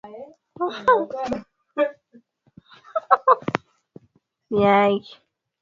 Daisy alinyanyua kope ishara ya kukubali na ndipo Juliana alipotabasamu na kushusha hasira